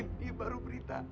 ini baru berita